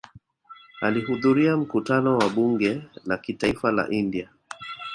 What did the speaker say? Alihudhuria mkutano wa Bunge la Kitaifa la India